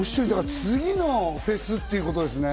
次のフェスってことですね。